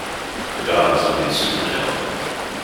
The gods live in Supertown.